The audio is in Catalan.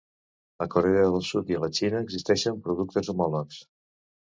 A Corea del Sud i la Xina existeixen productes homòlegs.